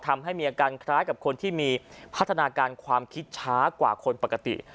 ทำให้มีอาการคล้ายกับคนที่มีพัฒนาการความคิดช้ากว่าคนปกติ